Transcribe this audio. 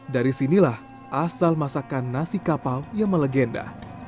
dari sinilah asal masakan nasi kapau yang melegenda